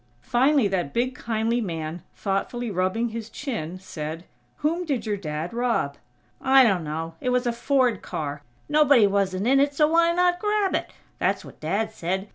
Finally that big kindly man, thoughtfully rubbing his chin, said: "Whom did your Dad rob?" "I dunno. It was a Ford car. Nobody wasn't in it, so why not grab it? That's what Dad said.